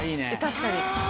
確かに。